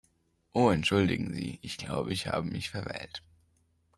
Oh entschuldigen Sie, ich glaube, ich habe mich verwählt.